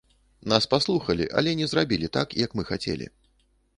Нас паслухалі, але не зрабілі так, як мы хацелі.